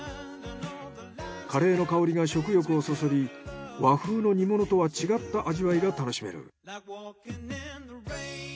カレーの香りが食欲をそそり和風の煮物とは違った味わいが楽しめる。